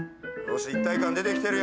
一体感出て来てるよ。